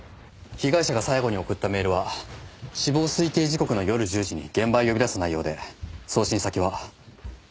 被害者が最後に送ったメールは死亡推定時刻の夜１０時に現場へ呼び出す内容で送信先は。